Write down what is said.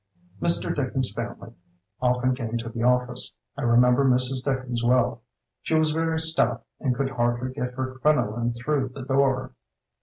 "Mr. Dickens's family often came to the office. I remember Mrs. Dickens well. She was very stout and could hardly get her crinoline through the door.